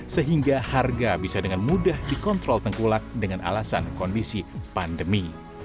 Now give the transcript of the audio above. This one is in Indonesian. sehingga harga bisa dengan mudah dikontrol tengkulak dengan alasan kondisi pandemi